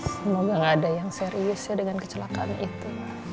semoga gak ada yang serius ya dengan kecelakaan itu